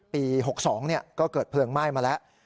ปี๖๒ก็เกิดเพลิงไหม้มาแล้ว